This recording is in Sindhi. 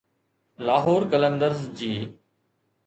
لاهور قلندرز جي